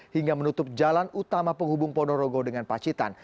hingga menutup jalan utama penghubung ponorogo dengan pacitan